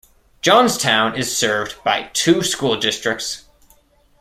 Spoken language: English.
Johnstown is served by two school districts.